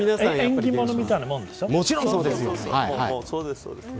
縁起物みたいなもんでしょ。